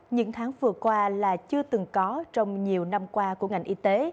những tháng vừa qua là chưa từng có trong nhiều năm qua của ngành y tế